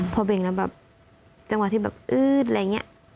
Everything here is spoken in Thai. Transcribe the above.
พอเบ่งแล้วแบบจังหวะที่แบบอืดอะไรอย่างนี้